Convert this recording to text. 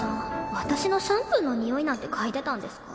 私のシャンプーのにおいなんて嗅いでたんですか？